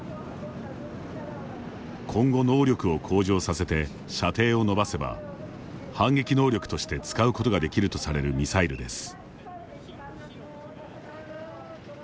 今後、能力を向上させて射程を伸ばせば反撃能力として使うことができるとされるミサイルです。